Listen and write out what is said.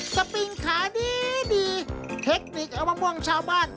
ปิงขาดีดีเทคนิคเอามะม่วงชาวบ้าน